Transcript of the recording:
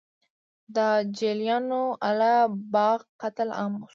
د جلیانواله باغ قتل عام وشو.